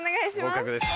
合格です。